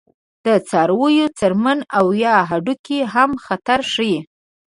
د څارویو څرمن او یا هډوکي هم خطر ښيي.